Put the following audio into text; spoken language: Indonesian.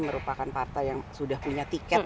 merupakan partai yang sudah punya tiket